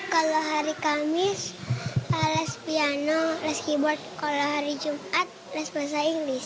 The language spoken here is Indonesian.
kalau hari kamis les piano les keyboard kalau hari jumat les bahasa inggris